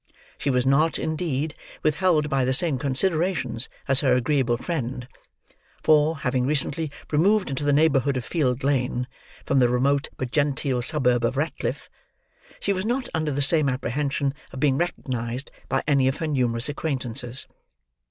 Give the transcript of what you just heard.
She was not, indeed, withheld by the same considerations as her agreeable friend; for, having recently removed into the neighborhood of Field Lane from the remote but genteel suburb of Ratcliffe, she was not under the same apprehension of being recognised by any of her numerous acquaintances.